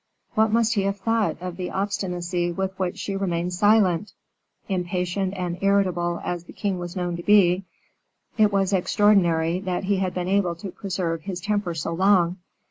What must he have thought of the obstinacy with which she remained silent? Impatient and irritable as the king was known to be, it was extraordinary that he had been able to preserve his temper so long.